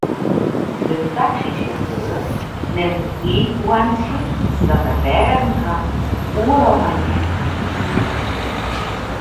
De taksysjauffeur nimt it iikhoarntsje dat er rêden hat oeral mei hinne.